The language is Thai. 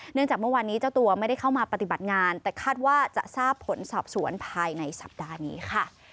จากเมื่อวานนี้เจ้าตัวไม่ได้เข้ามาปฏิบัติงานแต่คาดว่าจะทราบผลสอบสวนภายในสัปดาห์นี้ค่ะ